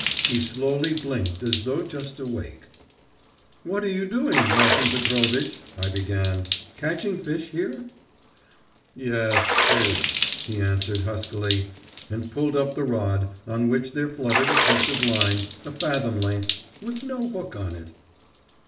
He slowly blinked as though just awake. 'What are you doing, Martin Petrovitch,' I began, 'catching fish here?' 'Yes … fish,' he answered huskily, and pulled up the rod, on which there fluttered a piece of line, a fathom length, with no hook on it.